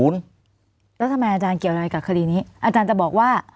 แล้วทำไมอาจารย์เกี่ยวอะไรกับคดีนี้อาจารย์จะบอกว่า